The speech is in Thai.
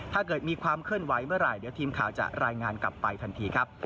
ถ้าเกิดมีความเคลื่อนไหวเมื่อไหร่เดี๋ยวทีมข่าวจะรายงานกลับไปทันทีครับ